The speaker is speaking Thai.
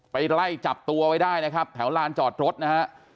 ไปไล่จับตัวไว้ได้นะครับแถวลานจอดรถนะฮะ